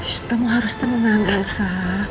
kamu harus tenang elsa